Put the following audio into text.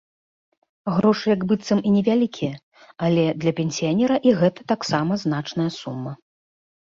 Грошы як быццам і невялікія, але для пенсіянера і гэта таксама значная сума.